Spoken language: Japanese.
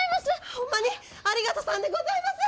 ホンマにありがとさんでございます！